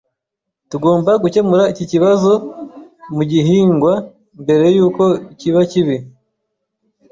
Tugomba gukemura iki kibazo mu gihingwa mbere yuko kiba kibi.